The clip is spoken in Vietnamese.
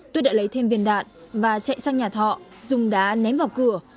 tuyết đã lấy thêm viên đạn và chạy sang nhà thọ dùng đá ném vào cửa